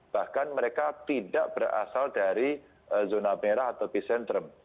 bahkan mereka tidak berasal dari zona merah atau epicentrum